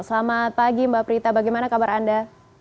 selamat pagi mbak prita bagaimana kabar anda